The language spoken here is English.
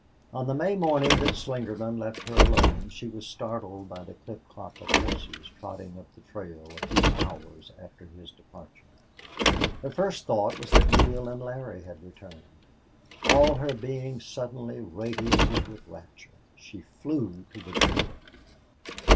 On the May morning that Slingerland left her alone she was startled by the clip clop of horses trotting up the trail a few hours after his departure. Her first thought was that Neale and Larry had returned. All her being suddenly radiated with rapture. She flew to the door.